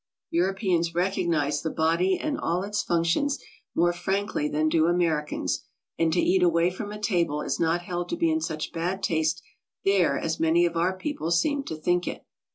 Europeans recognize the body and all its functions more frankly than do Ameri cans, and to eat away from a table is not held to be in such bad taste there as many of our people seem to think it.